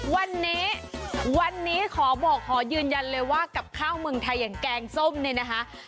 วันนี้วันนี้ขอบอกขอยืนยันเลยว่ากับข้าวเมืองไทยอย่างแกงส้มเนี่ยนะคะ